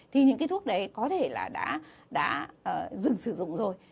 thì những cái thuốc đấy có thể là đã dừng sử dụng rồi